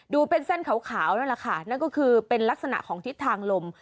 ดูเป็นเส้นขาวนั่นแหละค่ะนั่นก็คือเป็นลักษณะของทิศทางลม